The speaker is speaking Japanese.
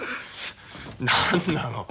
何なの。